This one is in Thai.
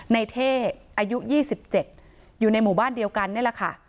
เท่อายุ๒๗อยู่ในหมู่บ้านเดียวกันนี่แหละค่ะ